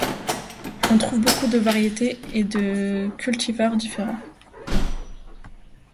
On trouve beaucoup de variétés et de cultivars différents.